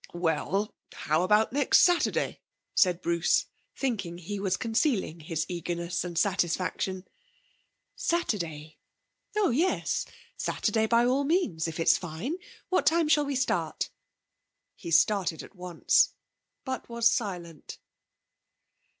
'Well, how about next Saturday?' said Bruce, thinking he was concealing his eagerness and satisfaction. 'Saturday? Oh yes, certainly. Saturday, by all means, if it's fine. What time shall we start?' He started at once, but was silent.